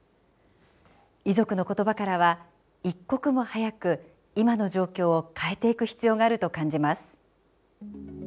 遺族の言葉からは一刻も早く今の状況を変えていく必要があると感じます。